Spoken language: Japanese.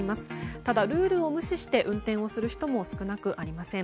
ただルールを無視して運転をする人も少なくありません。